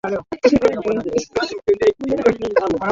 kita mizizi sana katika chama cha nrm